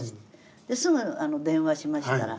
ですぐ電話しましたら。